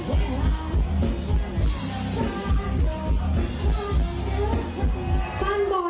ขอบคุณมากที่มอบให้นะคะ